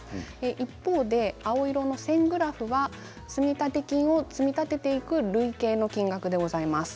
一方で青色の線グラフは積立金を積み立てていく累計の金額でございます。